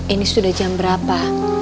ini sudah jam berapa